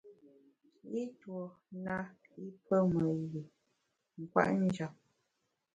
I tuo na i pe me yin kwet njap.